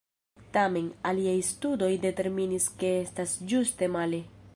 Tamen, aliaj studoj determinis ke estas ĝuste male.